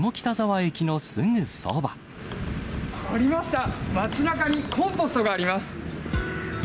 ありました、街なかにコンポストがあります。